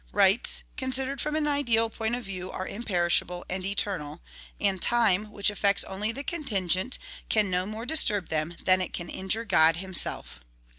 Rights, considered from an ideal point of view, are imperishable and eternal; and time, which affects only the contingent, can no more disturb them than it can injure God himself."